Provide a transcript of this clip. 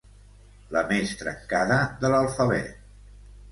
La més trencada de l'alfabet.